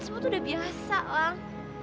semua tuh udah biasa bang